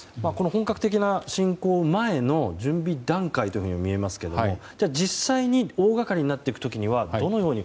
本格的な侵攻前の準備段階とみえますが実際に大掛かりになっていく時にはどのように？